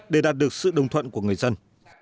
để đạt được sự đồng thuận của người dân